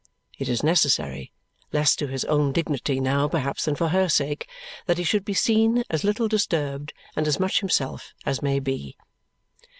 It is necessary less to his own dignity now perhaps than for her sake that he should be seen as little disturbed and as much himself as may be.